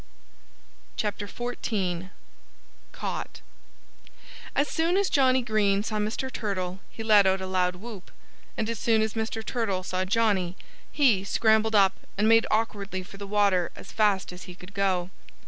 XIV CAUGHT! As soon as Johnnie Green saw Mr. Turtle he let out a loud whoop. And as soon as Mr. Turtle saw Johnnie, he scrambled up and made awkwardly for the water as fast as he could go.